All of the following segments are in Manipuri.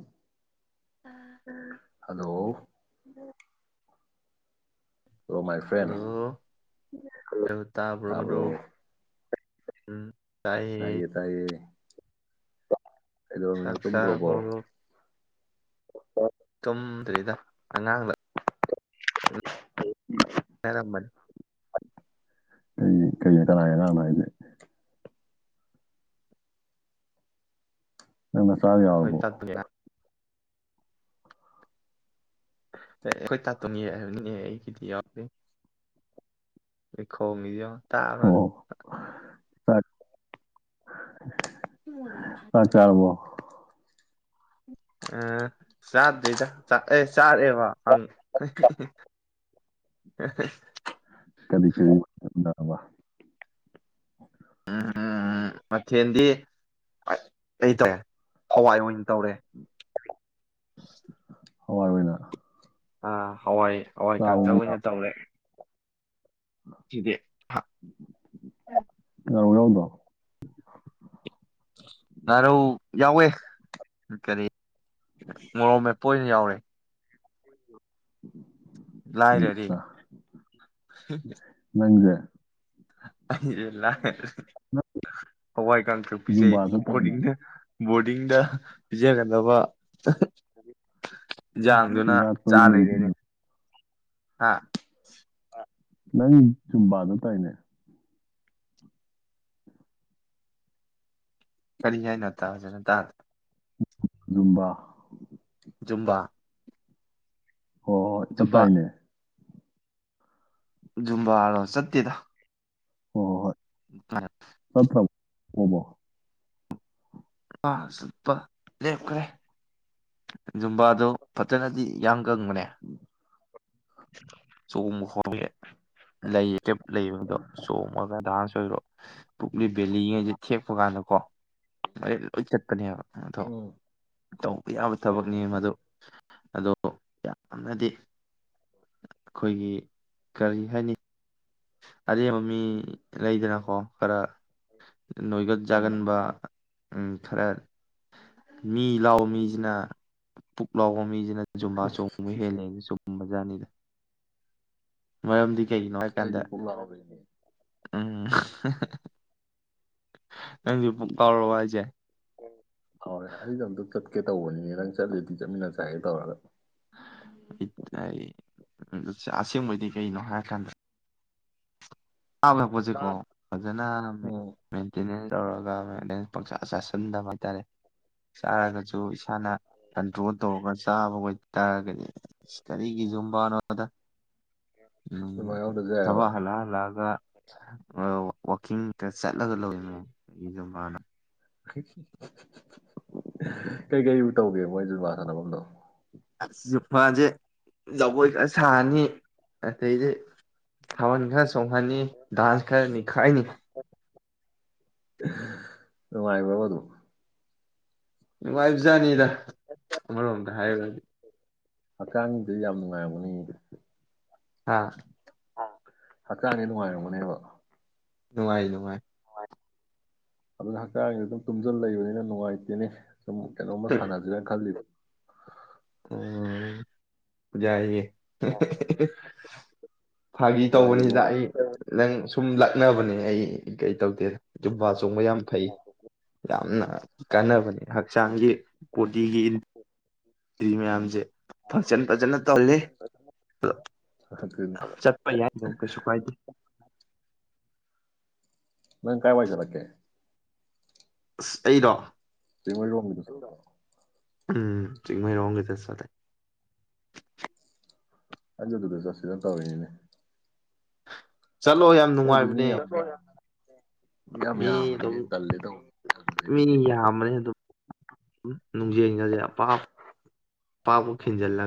ꯎ hello hello my friend hello hello ꯇꯥꯕ꯭ꯔꯣ ꯍꯥꯕ꯭ꯔꯣ ꯃꯔꯨꯞ ꯎꯝ ꯇꯥꯏꯌꯦ ꯇꯥꯏꯌꯦ ꯀꯩꯗꯧꯔꯃꯤꯅꯣ ꯆꯥꯛ ꯆꯥꯔꯕꯣ ꯇꯨꯝꯗ꯭ꯔꯣꯕꯣ ꯑꯣ ꯇꯨꯝꯗ꯭ꯔꯤꯗ ꯑꯉꯥꯡꯂ [inaudible] ꯔꯝꯕꯅꯦ [unintelligible] ꯀꯅꯥꯥꯏ ꯑꯉꯥꯡꯅꯣ ꯍꯥꯏꯁꯦ ꯅꯪꯅ ꯆꯥꯛ ꯍꯣꯏ ꯌꯥꯎꯔꯕꯣ [unintelligible] ꯑꯦ ꯑꯩꯈꯣꯏ ꯇꯥꯇꯣꯟꯒꯤ ꯍꯥꯏꯕꯅꯤꯅꯦ ꯑꯩꯒꯤꯗꯤ ꯌꯥꯎꯗꯦ ꯈꯣꯡꯉꯤꯁꯦ ꯌꯦꯡꯉꯣ ꯇꯥꯕ ꯁꯥꯠ [unintelligible] ꯑ ꯆꯥꯗ꯭ꯔꯤꯗ ꯑꯦ ꯆꯥꯔꯦꯕ ꯀꯔꯤ ꯀꯔꯤ ꯑꯦꯟꯁꯥꯡꯅꯣꯕꯥ ꯎꯝ ꯎꯝ ꯎꯝ ꯃꯊꯦꯜꯗꯤ [unintelligible] ꯍꯋꯥꯏ ꯑꯣꯏꯅ ꯇꯧꯔꯦ ꯍꯋꯥꯏ ꯑꯣꯏꯅ ꯑ ꯍꯋꯥꯏ ꯍꯋꯥꯏ ꯆꯥꯕ ꯀꯥꯡꯇꯛ ꯑꯣꯏꯅ ꯇꯧꯔꯦ ꯁꯤꯗꯦ ꯉꯥꯔꯧ ꯌꯥꯎꯗ꯭ꯔꯣ ꯉꯥꯔꯧ ꯌꯥꯎꯋꯦ ꯀꯔꯤ ꯃꯔꯣꯛ ꯃꯦꯞꯄ ꯑꯣꯏꯅ ꯌꯥꯎꯔꯦ ꯂꯥꯏꯔꯔꯦ [unintelligible] ꯅꯪꯖꯦ ꯑꯩꯖꯦ ꯂꯥꯏꯔꯔꯦ ꯅꯪ ꯍꯋꯥꯏ ꯀꯥꯡꯇꯛ ꯄꯤꯖꯩ ꯖꯨꯝꯕꯥ ꯆꯠꯇꯥꯏꯅꯦ ꯕꯣꯔꯗꯤꯡꯗ ꯕꯣꯔꯗꯤꯡꯗ ꯄꯤꯖꯒꯗꯕ ꯏꯟꯁꯥꯡꯗꯨꯅ ꯆꯤꯟꯖꯥꯛꯇꯣ ꯆꯥ ꯌꯨꯝꯗ ꯂꯩꯔꯤꯅꯦ ꯍꯥ ꯅꯪ ꯖꯨꯝꯕꯥ ꯆꯠꯇꯥꯏꯅꯦ ꯀꯔꯤ ꯍꯥꯏꯅ ꯇꯥꯗꯣꯏꯅꯣ ꯇꯥꯗꯦ ꯖꯨꯝꯕꯥ ꯨꯖꯨꯝꯕꯥ ꯍꯣꯏ ꯍꯣꯏ ꯆꯠꯇꯥꯏꯅꯦ ꯖꯨꯝꯕꯥꯔꯣ ꯆꯠꯇꯦꯗ ꯍꯣ ꯍꯣ ꯍꯣꯏ [unintelligible] ꯑꯣꯃꯣ ꯑꯥ ꯆꯠꯄ ꯂꯦꯞꯈ꯭ꯔꯦ ꯖꯨꯝꯕꯥꯗꯣ ꯐꯖꯅꯗꯤ ꯌꯥꯝ ꯀꯪꯕꯅꯦ [unintelligible] ꯆꯣꯡꯕ [unintelligible] ꯂꯔꯝ ꯂꯩꯕꯗꯣ ꯆꯣꯡꯉꯒ ꯗꯥꯟꯁ ꯑꯣꯏꯔꯣ ꯄꯨꯛꯂꯤ ꯕꯦꯂꯤꯉꯩꯁꯦ ꯊꯦꯛꯄ ꯀꯥꯟꯗꯀꯣ ꯃꯔꯤꯜ ꯂꯣꯏ ꯆꯠꯄꯅꯦꯕ ꯑꯗꯣ ꯎꯝ ꯇꯧꯕ ꯌꯥꯕ ꯊꯕꯛꯅꯤ ꯃꯗꯨ ꯑꯗꯣ ꯌꯥꯝꯅꯗꯤ ꯑꯩꯈꯣꯏꯒꯤ ꯀꯔꯤ ꯍꯥꯏꯅꯤ ꯑꯔꯦꯝꯕ ꯃꯤ ꯂꯩꯗꯅꯀꯣ ꯈꯔ ꯅꯣꯏꯒꯟ ꯍꯣꯏꯅꯦ ꯆꯒꯟꯕ ꯎꯝ ꯈꯔ ꯃꯤ ꯂꯥꯎꯕ ꯃꯤꯁꯤꯅ ꯄꯨꯛ ꯂꯥꯎꯕ ꯃꯤꯁꯤꯅ ꯖꯨꯝꯕꯥ ꯆꯣꯡꯕ ꯑꯁ ꯍꯦꯂꯦꯖꯦ ꯆꯨꯝꯕꯖꯥꯠꯅꯦ ꯌꯥꯅꯤꯗ ꯃꯔꯝꯗꯤ ꯀꯩꯒꯤꯅꯣ ꯍꯥꯏ ꯀꯥꯟꯗ ꯍꯣꯏ ꯎꯝ ꯅꯪꯁꯨ ꯀꯥꯎꯔꯑꯣ ꯍꯥꯏꯁꯦ ꯀꯦ ꯇꯧꯕꯅꯤꯅꯦ ꯅꯪ ꯆꯠꯂꯗꯤ ꯆꯠꯃꯤꯟꯅꯁꯦ ꯍꯥꯏꯒꯦ ꯇꯧꯔꯒ ꯏ ꯇꯥꯏ ꯎ ꯑꯁꯦꯡꯕꯗꯤ ꯀꯩꯅꯣ ꯍꯥꯏꯔ ꯀꯥꯟꯗ ꯇꯂꯛꯄꯁꯤ ꯀꯣ ꯐꯖꯅ ꯎꯝ ꯃꯦꯟꯇꯦꯟ ꯅꯦꯟꯁ ꯇꯧꯔꯒ ꯄꯪꯁꯥ ꯆꯥꯁꯤꯟꯗꯕ ꯍꯥꯏꯇꯥꯔꯦ ꯆꯥꯔꯒꯁꯨ ꯏꯁꯥꯅ ꯀꯟꯇ꯭ꯔꯣꯜ ꯇꯧꯔꯒ ꯆꯥꯕꯈ ꯑꯣꯏ ꯇꯥꯔꯒꯗꯤ ꯀꯔꯤꯒꯤ ꯖꯨꯝꯕꯥꯅꯣꯗ ꯎꯝ ꯖꯨꯃꯥ ꯌꯥꯎꯗ꯭ꯔꯁꯨ ꯌꯥꯏꯑꯕ ꯊꯕꯛ ꯍꯜꯂ ꯍꯜ ꯂꯒ ꯑꯗꯨꯒ ꯑ ꯋꯥꯀꯤꯡ [unintelligible] ꯀꯩꯀꯩ ꯇꯧꯒꯦ ꯃꯣꯏ ꯖꯨꯕꯥ ꯁꯥꯟꯅꯐꯝꯗꯣ ꯑꯁ ꯌꯐꯥꯁꯦ ꯖꯒꯣꯏ ꯈꯔ ꯁꯥꯔꯅꯤ ꯑꯗꯩꯗꯤ ꯊꯥꯕꯜ ꯈꯔ ꯆꯣꯡꯍꯅꯤ ꯗꯗꯥꯥꯟꯁ ꯈꯔꯅꯤ ꯈꯥꯏꯅꯤ ꯅꯨꯡꯉꯥꯏꯕ꯭ꯔꯕꯗꯨ ꯅꯨꯡꯉꯥꯏꯕꯖꯥꯅꯤꯗ ꯑꯃꯔꯣꯝꯗ ꯍꯥꯏꯔꯗꯤ ꯍꯛꯆꯥꯡꯗꯨ ꯌꯥꯝ ꯅꯨꯡꯉꯥꯏꯕꯅꯤ ꯑꯥ ꯍꯛꯆꯥꯡꯒꯤ ꯅꯨꯡꯉꯥꯏꯔꯝꯒꯅꯦꯕ ꯅꯨꯡꯉꯥꯏ ꯅꯨꯡꯉꯥꯏ ꯑꯗꯨꯅ ꯍꯛꯆꯥꯡꯁ ꯑꯗꯨꯝ ꯇꯨꯝꯁꯤꯜ ꯂꯩꯕꯅꯤꯅ ꯅꯨꯡꯉꯥꯏꯇꯦꯅꯦ ꯁꯨꯝ ꯀꯩꯅꯣꯝꯃ ꯁꯥꯟꯅꯁꯤꯔꯅ ꯈꯜꯂꯤꯕ ꯎꯝ ꯌꯥꯏꯌꯦ ꯐꯥꯒꯤ ꯍꯛꯆꯥꯡꯁꯦ ꯇꯧꯕꯅꯤ ꯁꯤꯗ ꯅꯣꯠ ꯑꯩ ꯅꯪ ꯁꯨꯝ ꯂꯥꯛꯅꯕꯅꯦ ꯑꯩ ꯀꯩ ꯇꯧꯗꯦ ꯖꯨꯝꯕ ꯆꯣꯡꯕ ꯌꯥꯝ ꯐꯩ ꯌꯥꯝꯅ ꯀꯥꯟꯅꯕꯅꯤ ꯍꯛꯆꯥꯡꯒꯤ ꯕꯣꯗꯤꯒꯤ ꯗꯤ ꯃꯌꯥꯝꯖꯦ ꯐꯪꯁꯟ ꯐꯖꯅ ꯇꯧꯍꯜꯂꯤ ꯑꯗꯨꯅꯤ [unintelligible] ꯆꯠꯄ ꯌꯥꯏꯗꯣ ꯀꯩꯁꯨ ꯀꯥꯏꯗꯦ꯫ ꯅꯪ ꯀꯥ ꯋꯥꯥꯏꯗ ꯂꯥꯛꯀꯦ? ꯑꯁ ꯑꯩꯔꯣ? ꯆꯤꯡꯃꯩꯔꯣꯡꯒꯤꯗꯣ ꯈꯪꯗ꯭ꯔꯕꯣ꯫ ꯎꯝ ꯆꯤꯡꯃꯩꯔꯣꯡꯒꯤꯗ ꯆꯠꯂꯦ꯫ ꯑꯗꯨꯗꯨꯗ ꯆꯠꯁꯤꯔꯥ ꯇꯧꯋꯤꯅꯤꯅꯦ꯫ ꯆꯠꯂꯣ ꯌꯥꯝ ꯃꯤ ꯅꯨꯡꯉꯥꯏꯕꯅꯦ꯫ ꯌꯥꯝ [inaudible] ꯃꯤ ꯑꯗꯨꯝ ꯌꯥꯝꯕꯅꯤꯅꯦ ꯇꯜꯂꯦ ꯇꯧꯕ ꯆꯠꯄꯁꯦ ꯃꯤ ꯑꯩꯈꯣꯏꯗꯤ ꯌꯥꯝꯕꯅꯦ ꯑꯗꯨꯝ꯫ ꯅꯨꯡꯖꯦꯡꯒꯖꯦ ꯑꯄꯥꯛ ꯑꯄꯥꯛꯄ ꯈꯤꯟꯖꯜꯂ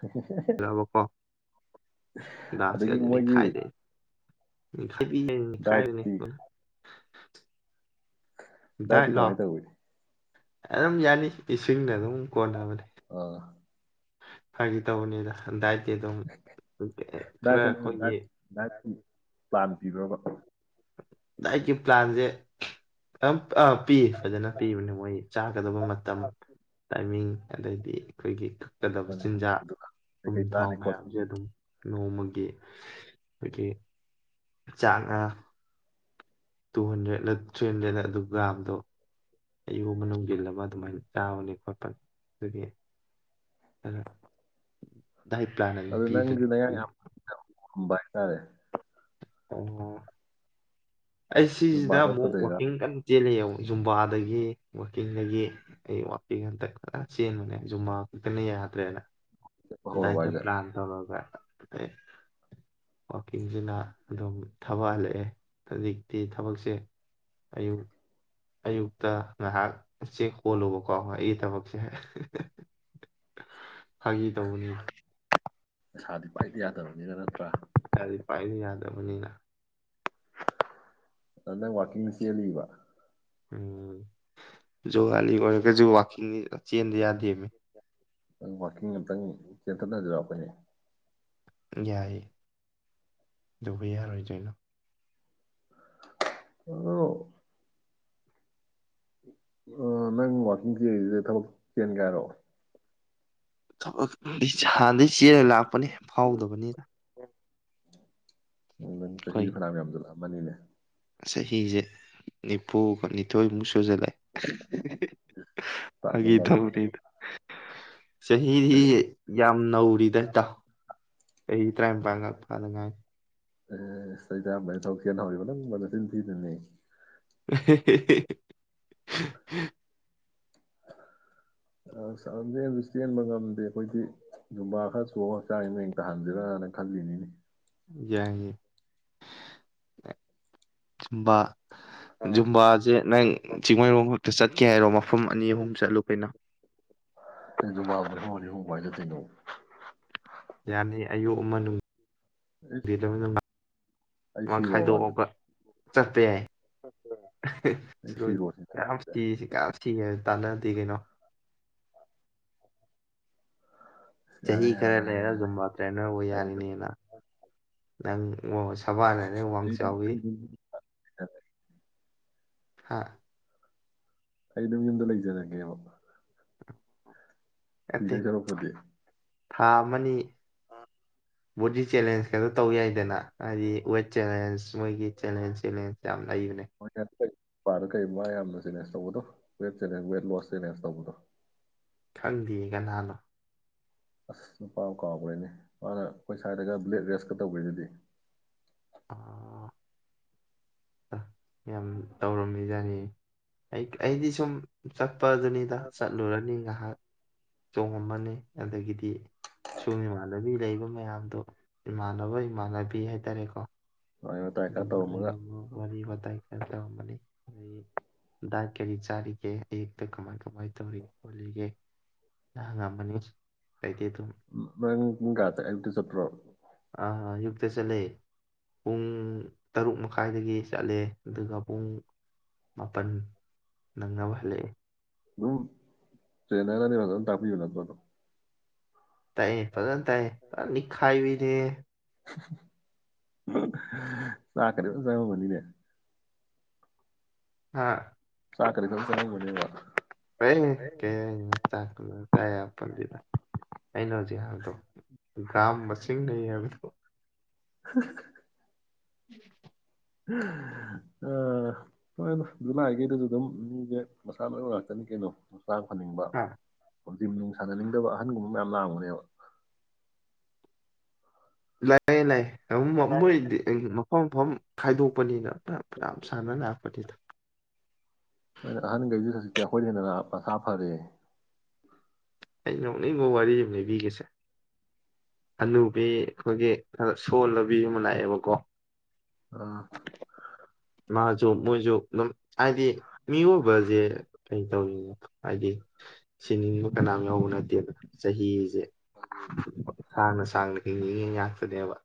ꯍꯦꯍꯦꯍꯦꯍꯦ ꯑꯗꯒꯤ ꯃꯣꯏꯒꯤ ꯑꯥ ꯎ ꯄ ꯈꯥꯏꯅꯤ ꯗꯥꯏꯗꯤ ꯀꯃꯥꯏ ꯇꯧꯧꯕꯏ ꯑꯗꯨꯝ ꯌꯥꯅꯤ ꯏꯁꯤꯡꯅ ꯑꯗꯨꯝ ꯀꯣꯗꯥꯕꯅꯤꯦ ꯑꯥ ꯍꯥꯏꯗꯤ ꯇꯧꯕꯅꯤꯅ ꯗꯥꯏ ꯑꯗꯨꯝ ꯈꯔ ꯑꯩꯈꯣꯏꯒꯤ ꯄꯥꯟ ꯄꯤꯕ꯭ꯔꯣꯕ ꯑꯩꯏꯒꯤ ꯄ꯭ꯂꯥꯟꯁꯦ ꯑ ꯄꯤ ꯐꯖꯅ ꯄꯤꯕꯅꯦ ꯃꯣꯏ ꯆꯥꯒꯗꯕ ꯃꯇꯝ ꯇꯥꯏꯃꯤꯡ ꯑꯗꯩꯗꯤ ꯑꯩꯈꯣꯏꯒꯤ ꯆꯠꯀꯗꯕ ꯑꯩꯈꯣꯏꯅ ꯆꯤꯟꯖꯥꯛ ꯒꯨꯔꯨꯗꯨꯅ ꯄꯨꯝ ꯀꯩꯀꯩ ꯊꯥꯎ ꯆꯥꯅꯤ ꯃꯌꯥꯝꯁꯦ ꯈꯣꯠꯀꯅꯤ ꯑꯗꯨꯝ ꯅꯣꯡꯃꯒꯤ ꯑꯩꯈꯣꯏꯒꯤ ꯆꯥꯡ ꯇꯨ ꯍꯟꯗ꯭ꯔꯦꯠ ꯊ꯭ꯔꯤ ꯍꯟꯗ꯭ꯔꯦꯗ ꯑꯗꯨ ꯒ꯭ꯔꯥꯝꯗꯣ ꯑꯌꯨ ꯑꯃ ꯅꯨꯡꯁꯤꯜꯂ ꯑꯃ ꯑꯗꯨꯃꯥꯏꯅ ꯆꯥꯕꯅꯤ ꯈꯣꯠꯄꯅꯤ ꯑꯗꯨꯒꯤ ꯍꯂꯣ ꯗꯏ ꯄ꯭ꯂꯥꯅꯦ ꯄꯤ ꯕꯥꯏꯇꯥꯔꯦ ꯑ ꯑꯩ ꯖꯨꯝꯕꯥ ꯁꯤꯁꯤꯗ ꯑꯃꯨꯛ ꯆꯠꯄꯗꯩꯔꯥ ꯋꯥꯛꯀꯤꯡ ꯀꯟꯅ ꯆꯦꯜꯂꯦ ꯌꯦꯡꯨ ꯖꯨꯝꯕꯥꯗꯒꯤ ꯋꯥꯛꯀꯤꯡꯗꯒꯤ ꯑꯩ ꯋꯥꯛꯀꯤꯡ ꯍꯟꯇ ꯈꯔ ꯆꯦꯟꯕꯅꯦ ꯖꯨꯝꯕꯥ ꯈꯛꯇꯅ ꯌꯥꯗ꯭ꯔꯦꯅ ꯆꯠꯄ ꯍꯧꯔꯕ ꯌꯥꯏꯁꯦ ꯍꯥꯏꯁꯦ ꯄ꯭ꯂꯥꯟ ꯊꯧꯔꯒ ꯋꯥꯀꯤꯡꯁꯤꯅ ꯑꯗꯨꯝ ꯊꯕꯍꯜꯂꯛꯑꯦ ꯍꯧꯖꯤꯛꯇꯤ ꯊꯕꯛꯁꯦ ꯑꯌꯨꯛ ꯑꯌꯨꯛꯇ ꯉꯥꯏꯍꯥꯛ ꯆꯦꯛ ꯍꯣꯜꯂꯨꯕꯀꯣ ꯑꯩꯒꯤ ꯊꯕꯛꯁꯦ ꯐꯥꯒꯤ ꯇꯧꯕꯅꯤ ꯑꯁꯥꯗꯤ ꯐꯗꯤ ꯌꯥꯗꯕꯅꯤꯅ ꯅꯠꯇ꯭ꯔꯥ ꯌꯥꯗꯤ ꯄꯥꯏꯁꯨ ꯌꯥꯗꯕꯅꯤꯅ ꯑꯗ ꯋꯥꯀꯤꯡ ꯆꯦꯜꯂꯤꯕ ꯎꯝ ꯖꯣꯒꯥꯂꯤ ꯑꯣꯏꯔꯒꯁꯨ ꯋꯥꯀꯤꯡ ꯆꯦꯟꯗ ꯌꯥꯗꯦꯃꯤ ꯅꯪ ꯋꯥꯥꯛꯀꯤꯡ ꯑꯃꯇꯪ ꯏꯆꯦꯟꯊꯠꯅꯖꯔꯛꯄꯅꯦ ꯌꯥꯏ ꯇꯧꯕ ꯌꯥꯔꯣꯏꯗꯣꯏꯅꯣ ꯑꯣ ꯅꯪ ꯋꯥꯥꯛꯀꯤꯤꯡ ꯆꯦꯁꯤꯗ ꯊꯕꯛ ꯆꯦꯟ ꯀꯥꯏ ꯍꯥꯏꯔꯣ ꯍꯗꯤ ꯏꯆꯦꯅ ꯂꯥꯛꯄꯅꯦ ꯐꯥꯎꯗꯕꯅꯤꯅ ꯎꯝ ꯅꯪ ꯆꯍꯤ ꯑꯩꯈꯣꯏ ꯐꯅꯌꯥꯝ ꯌꯥꯝꯖꯤꯜꯂꯛ ꯕꯅꯤꯅꯦ ꯆꯍꯤꯁꯦ ꯅꯤꯐꯨꯒ ꯅꯤꯊꯣꯏꯃꯨꯛ ꯁꯨꯖꯜꯂꯑꯦ ꯐꯥꯒꯤ ꯇꯥꯖꯜꯂꯛ ꯇꯧꯅꯤꯗ ꯆꯍꯤꯗꯤ ꯌꯥꯝ ꯅꯧꯔꯤꯗ ꯏꯇꯥꯎ ꯆꯍꯤ ꯇꯔꯥꯏꯝꯄꯥꯥꯟ ꯈꯛ ꯐꯥꯗ ꯉꯥꯏꯔꯤ ꯑꯦ ꯆꯍꯤ ꯇꯔꯥꯏꯝꯄꯥꯟꯗ ꯊꯕꯛ ꯆꯦꯟ ꯍꯧꯔꯤꯕ ꯅꯪꯅ ꯆꯤꯟꯊꯤꯅꯨꯅꯦ [unintelligible] ꯂꯝꯖꯦꯟꯁꯨ ꯆꯦꯟꯕ ꯉꯝꯗꯦ ꯑꯩꯈꯣꯏꯗꯤ ꯖꯨꯝꯕꯥ ꯈꯔ ꯆꯣꯡꯉ ꯍꯛꯆꯥꯡꯖꯦ ꯃꯌꯦꯡ ꯇꯥꯍꯟꯁꯤꯔꯅ ꯈꯜꯂꯤꯅꯤꯅꯦ ꯌꯥꯏꯌꯦ ꯖꯨꯝꯕꯥ ꯖꯨꯝꯕꯥꯁꯦ ꯅꯪ ꯆꯤꯡꯃꯩꯔꯣꯡ ꯑꯗꯨꯗ ꯆꯠꯀꯦ ꯍꯥꯏꯔꯣꯃ ꯃꯐꯝ ꯑꯅꯤ ꯑꯍꯨꯝ ꯆꯠꯂꯨ ꯀꯩꯅ [unintelligible] ꯌꯥꯅꯤ ꯑꯌꯨꯛ ꯑꯃ ꯅꯨꯡ ꯑꯩꯁ ꯑꯩ ꯅ ꯁꯤꯔꯣꯕ ꯑꯗꯨꯗꯤ ꯈꯥꯏꯗꯣꯛꯑꯒ ꯆꯠꯄ ꯌꯥꯏ ꯑꯩ ꯁꯤꯔꯣꯏ ꯁꯤꯔꯣꯁꯤꯅ ꯀꯅꯥꯝ ꯁꯤꯁꯤ ꯀꯅꯥꯝ ꯁꯤꯌꯦ ꯇꯥꯟꯅꯗꯦ ꯀꯩꯅꯣ ꯆꯍꯤ ꯌꯥꯔꯦ ꯌꯥꯔꯦ ꯈꯔ ꯌꯥꯔꯦ ꯂꯩꯔ ꯌꯥꯔꯦ ꯑꯗꯨꯝ ꯇ꯭ꯔꯦꯅꯔ ꯑꯣꯏ ꯑꯩ ꯑꯗꯨꯝ ꯌꯥꯔꯤꯅꯤ ꯅꯪ ꯅꯪ ꯑꯣ ꯁꯥꯕꯥꯟ ꯍꯥꯏꯔꯦ ꯋꯥꯡ ꯆꯥꯎꯋꯤ ꯑ ꯍꯥꯥ ꯑꯩ ꯑꯗꯨꯝ ꯌꯨꯝꯗ ꯂꯩꯖꯔꯒꯦꯕ ꯑꯣ ꯁꯤꯗꯧ ꯁꯔꯨꯛꯄꯨꯇꯤ ꯊꯥ ꯑꯃꯅꯤ ꯑ ꯕꯣꯗꯤ ꯆꯦꯂꯦꯟꯖ ꯀꯩꯅꯣ ꯇꯧ ꯌꯥꯏꯗꯅ ꯍꯥꯏꯗꯤ ꯋꯦꯠ ꯆꯦꯂꯦꯟꯁ ꯃꯣꯏꯒꯤ ꯆꯦꯂꯦꯟꯖ ꯆꯦꯂꯦꯟꯖ ꯂꯩꯕꯅꯦ ꯍꯣꯏꯗ ꯄꯥꯗ ꯀꯔꯤ ꯃꯥ ꯌꯥꯝꯅ ꯆꯦꯂꯦꯟꯖ ꯇꯧꯕꯗꯣ weight challenge weight loss challenge ꯇꯧꯕꯗꯣ ꯈꯪꯗꯤꯌꯦ ꯀꯅꯥꯅꯣ ꯑꯁ ꯅꯨꯄꯥꯗꯨ ꯀꯥꯎꯒ꯭ꯔꯦꯅꯦ ꯃꯥꯅ ꯑꯩꯈꯣꯏ ꯁ꯭ꯋꯥꯏꯗꯒ ꯕ꯭ꯂꯦꯠ ꯔꯦꯁꯀ ꯇꯧꯒ꯭ꯔꯤꯗꯤ ꯑ ꯌꯥꯝ ꯇꯧꯔꯝꯃꯤꯖꯥꯅꯤ ꯑꯩꯗꯤ ꯁꯨꯝ ꯆꯠꯄꯗꯨꯅꯤꯗ ꯆꯠꯂꯨꯔꯅꯤ ꯉꯥꯏꯍꯥꯛ ꯆꯣꯡꯉꯝꯝꯕꯅꯤ ꯑꯗꯒꯤꯗꯤ ꯁꯨꯝ ꯏꯃꯥꯟꯅꯕꯤ ꯂꯩꯕ ꯃꯌꯥꯝꯗꯣ ꯏꯃꯥꯟꯅꯕ ꯏꯃꯥꯟꯅꯕꯤ ꯍꯥꯏꯇꯥꯔꯦꯀꯣ ꯋꯥꯔꯤ ꯋꯥꯇꯥꯏ ꯈꯔ ꯇꯧꯔꯝꯃꯒ ꯃꯔ ꯋꯥꯔꯤ ꯋꯥꯇꯥꯏ ꯈ ꯇꯧꯔꯝꯕꯅꯤ ꯑꯗꯒꯤ ꯥꯛ ꯀꯔꯤ ꯆꯥꯔꯤꯒꯦ ꯑꯛꯇ ꯀꯃꯥꯏ ꯀꯃꯥꯏꯅ ꯇꯧꯔꯤꯒꯦ ꯈꯣꯜꯂꯤꯒꯦ ꯍꯪꯉꯝꯃꯅꯤ ꯀꯩꯗ ꯑꯗꯨꯝ ꯅꯣꯏ ꯑꯍꯨꯝ ꯄꯨꯡ ꯀꯅꯥꯗ ꯑꯌꯨꯛ ꯇ ꯆꯄ꯭ꯔꯣ ꯑ ꯌꯨꯛꯇ ꯆꯂꯦ ꯄꯨꯡ ꯇꯔꯨꯛ ꯃꯈꯥꯏꯗꯒꯤ ꯆꯠꯂꯦ ꯑꯗꯨꯒ ꯄꯨꯡ ꯃꯥꯄꯜ ꯅꯪꯅꯕ ꯍꯜꯂꯛꯑꯦ ꯗꯨꯝ ꯆꯦꯟꯔꯅꯤ ꯐꯖꯟ ꯅꯇꯥꯛꯄꯤꯕ ꯅꯇ꯭ꯔꯣ ꯑꯗ ꯇꯥꯏ ꯐꯖꯅ ꯇꯥꯏ ꯐꯖꯅ ꯅꯤꯈꯥꯏꯕꯤꯅꯤ ꯍꯦ ꯆꯥꯛꯀꯗꯤ ꯐꯖꯅ ꯆꯉꯝꯒꯅꯤꯅꯦ ꯍꯥꯥ ꯆꯥꯛꯀꯗꯤ ꯐꯖꯟ ꯆꯉꯝꯒꯅꯤꯕ ꯀꯩ ꯀꯩꯝ ꯆꯥꯛ ꯀ ꯆ ꯌꯥꯄꯣꯜꯇꯦꯗ ꯑꯩꯅ ꯍꯧꯖꯤꯛ ꯍꯥꯏꯕꯗꯣ [inaudible] ꯎꯝ ꯑꯣ ꯍꯣꯏ ꯑꯗꯨ ꯖꯨꯂꯥꯏꯒꯤꯗꯨꯗ ꯑꯗꯨꯝ ꯃꯤꯁꯦ ꯃꯁꯥ ꯅꯣꯏꯕ ꯉꯥꯛꯇꯅꯤ ꯀꯩꯅꯣ ꯍꯛꯆꯥꯡ ꯐꯅꯤꯡꯕ ꯍꯥ, ꯍꯧ ꯅꯨꯡ ꯁꯥꯟꯅꯅꯤꯡꯗꯕ ꯑꯍꯟꯒꯨꯝꯕ ꯃꯌꯥꯝ ꯂꯥꯛꯑꯒꯅꯦꯕ ꯂꯩ ꯂꯩ ꯑ ꯃꯃ ꯏꯗꯤ ꯃꯐꯝ ꯃꯐꯝ ꯈꯥꯏꯗꯣꯛꯄꯅꯤꯅ ꯐꯅꯌꯥꯝ ꯁꯥꯟꯅ ꯂꯥꯛꯄꯅꯤꯗ ꯑꯍꯅꯤ ꯀꯩꯗ ꯊꯁꯤ ꯑꯩꯈꯣꯏꯅ ꯍꯦꯟꯅ ꯃꯁꯥ ꯐꯔꯦ ꯑꯩꯅꯣꯛꯅꯤꯡꯕ ꯋꯥꯔ ꯑꯃ ꯂꯤꯕꯤꯒꯦꯕ ꯍꯥꯅꯨꯕꯤ ꯑꯩꯈꯣꯏꯒꯤ ꯁꯣꯜꯂꯕꯤ ꯑꯃ ꯂꯥꯛꯑꯦꯕꯀꯣ꯫ ꯑꯥ ꯃꯁꯨ ꯃꯣꯏꯁꯨ ꯍꯥꯏꯗꯤ ꯃꯤꯑꯣꯏꯕꯁꯦ ꯀꯩ ꯇꯧꯔꯤꯅꯣ ꯍꯥꯏꯗꯤ ꯁꯤꯅꯤꯡꯕ ꯀꯅꯥꯝ ꯌꯥꯧꯕ ꯅꯠꯇꯦꯗ ꯆꯍꯤꯁꯦ꯫ [inaudible] [inaudible] ꯁꯥꯡꯅ ꯁꯥꯡꯅ ꯍꯤꯡꯅꯤꯡꯉꯤ ꯉꯥꯛꯇꯅꯦꯕ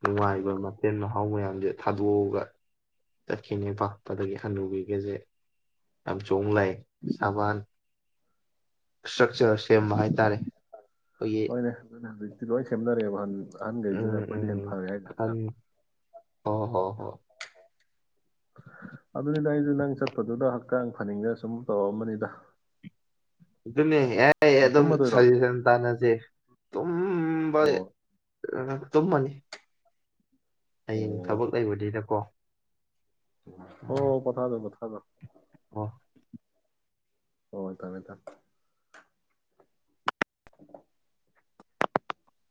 ꯅꯨꯡꯉꯥꯏꯕ ꯃꯊꯦꯜ ꯃꯍꯥꯎ ꯃꯌꯥꯝꯁꯦ ꯊꯥꯗꯣꯛꯑꯒ ꯆꯠꯈꯤꯅꯦ ꯄꯥꯛꯄꯗꯒꯤ ꯍꯅꯨꯒꯤꯒꯁꯦ ꯌꯥꯝ ꯆꯣꯡ ꯂꯥꯛꯑ ꯁꯕꯥꯟ ꯏꯁꯇ꯭ꯔꯛꯆꯔꯁ ꯁꯦꯝꯕ ꯍꯥꯏꯇꯥꯔꯦ ꯑꯩꯈꯣꯏꯒꯤ ꯍꯣꯏꯅꯦ ꯑꯗꯨꯅ ꯍꯧꯖꯤꯛꯇꯤ ꯂꯣꯏ ꯁꯦꯝꯅꯔꯦꯕ ꯍꯧꯖꯤꯛ ꯎꯝ ꯀꯥꯅꯗꯦ ꯍꯦꯟꯅ ꯐꯪꯉꯦ ꯍꯥꯏꯅ ꯍꯛꯆꯥꯡ ꯑꯣ ꯍꯣ ꯍꯣ ꯑꯗꯨꯅꯤꯗ ꯑꯩꯁꯨ ꯅꯪ ꯆꯠꯄꯗꯨꯗ ꯍꯛꯆꯥꯡ ꯐꯅꯤꯡꯗꯅꯁꯨꯝ ꯇꯧꯔꯛꯑꯝꯕꯅꯤꯗ꯫ ꯑꯗꯨꯅꯦ ꯑꯦ ꯑꯗꯨꯝ ꯇꯨꯝꯃꯗꯣꯏꯔꯣ ꯁꯖꯦꯁꯟ ꯇꯥꯟꯅꯁꯦ ꯇꯨꯝꯕ ꯑꯣ ꯇꯨꯝꯃꯅꯤ ꯍꯌꯦꯡ ꯑꯣ ꯊꯕꯛ ꯂꯩꯕꯅꯤꯅꯀꯣ ꯍꯣ ꯄꯣꯊꯒꯧ ꯄꯣꯊꯒꯧ꯫ ꯑꯣ ꯍꯣ ꯊꯝꯃꯦ ꯊꯝꯃꯦ [inaudible]